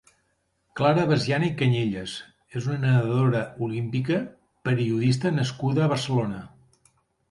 Clara Basiana i Cañellas és una nedadora olímpica, periodista nascuda a Barcelona.